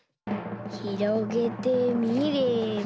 ひろげてみれば。